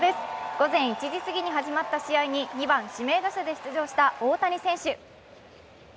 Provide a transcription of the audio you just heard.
午前１時過ぎに始まった試合に２番・指名打者で出場した大谷選手。